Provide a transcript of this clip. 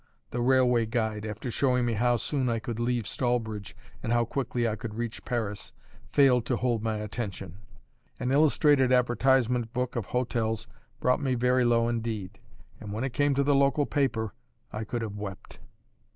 The railway guide, after showing me how soon I could leave Stallbridge and how quickly I could reach Paris, failed to hold my attention. An illustrated advertisement book of hotels brought me very low indeed; and when it came to the local paper, I could have wept.